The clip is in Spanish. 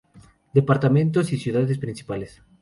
Departamentos y ciudades principales.